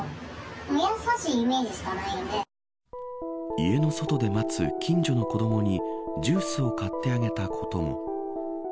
家の外で待つ近所の子どもにジュースを買ってあげたことも。